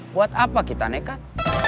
buat apa kita nekat